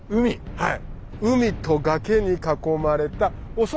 はい。